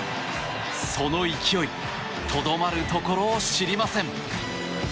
その勢いとどまるところを知りません。